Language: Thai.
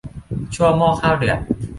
ชั่วหม้อข้าวเดือด